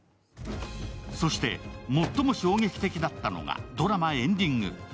そして最も衝撃的だったのがドラマエンディング。